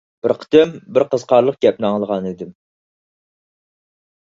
بىر قېتىم بىر قىزىقارلىق گەپنى ئاڭلىغانىدىم.